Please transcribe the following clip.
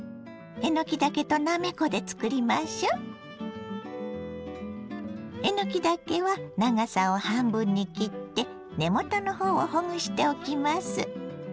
えのきだけは長さを半分に切って根元のほうをほぐしておきます。